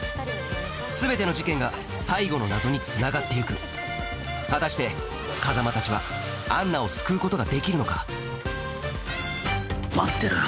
全ての事件が最後の謎につながって行く果たして風真たちはアンナを救うことができるのか待ってろよ